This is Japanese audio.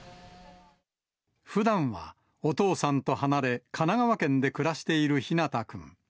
ふだんはお父さんと離れ、神奈川県で暮らしている陽大君。